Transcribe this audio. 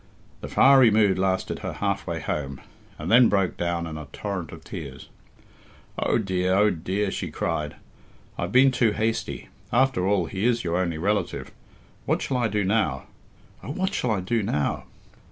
The fiery mood lasted her half way home, and then broke down in a torrent of tears. "Oh dear! oh dear!" she cried. "I've been too hasty. After all, he is your only relative. What shall I do now? Oh, what shall I do now?"